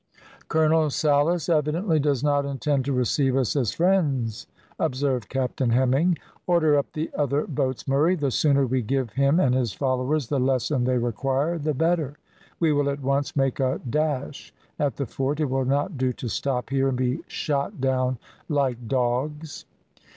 "Colonel Salas evidently does not intend to receive us as friends," observed Captain Hemming. "Order up the other boats, Murray, the sooner we give him and his followers the lesson they require the better. We will at once make a dash at the fort; it will not do to stop here and be shot down like dogs."